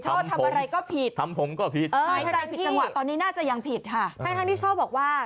ทำผมก็ผิดทำผมก็ผิดใช้ใจผิดจังหวะตอนนี้น่าจะยังผิดค่ะแทนที่เช้าบอกว่า